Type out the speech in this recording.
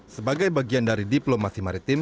sebagai bagian dari diplomasi maritim